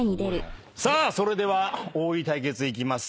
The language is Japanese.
それでは大喜利対決いきます。